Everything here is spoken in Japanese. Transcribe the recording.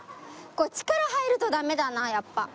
これ力入るとダメだなやっぱ。